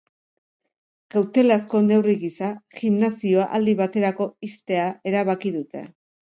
Kautelazko neurri gisa, gimnasioa aldi baterako ixtea erabaki dute.